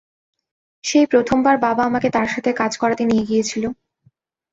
সেই প্রথমবার বাবা আমাকে তার সাথে কাজ করাতে নিয়ে গিয়েছিল।